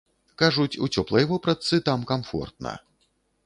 Кажуць, у цёплай вопратцы там камфортна.